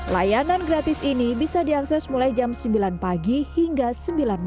layanan gratis ini bisa diakses mulai jam sembilan pagi hingga sembilan malam